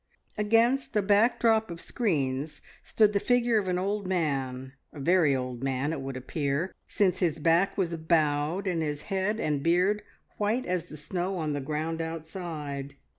Against a background of screens stood the figure of an old man a very old man, it would appear, since his back was bowed and his head and beard white as the snow on the ground outside.